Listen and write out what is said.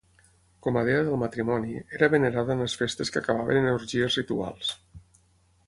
Com a dea del matrimoni, era venerada en les festes que acabaven en orgies rituals.